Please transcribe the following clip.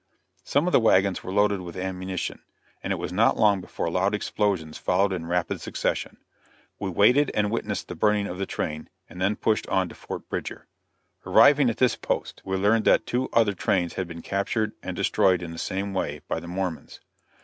Some of the wagons were loaded with ammunition, and it was not long before loud explosions followed in rapid succession. We waited and witnessed the burning of the train, and then pushed on to Fort Bridger. Arriving at this post, we learned that two other trains had been captured and destroyed in the same way, by the Mormons.